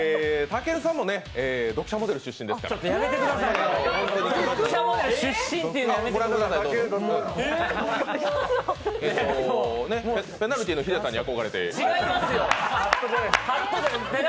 たけるさんも読者モデル出身ですもんね。